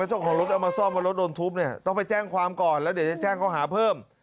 เจ้าของรถเอามาซ่อมว่ารถโดนทุบเนี่ยต้องไปแจ้งความก่อนแล้วเดี๋ยวจะแจ้งเขาหาเพิ่ม